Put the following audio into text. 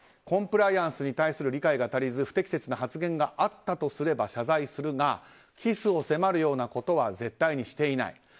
コンプライアンスに対する理解が足りず不適切な発言があったとすれば謝罪するがキスを迫るようなことは絶対にしていない。